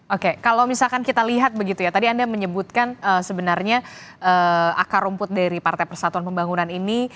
oke kalau misalkan kita lihat begitu ya tadi anda menyebutkan sebenarnya akar rumput dari partai persatuan pembangunan ini